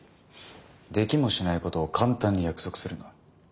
できもしないことを簡単に約束するな。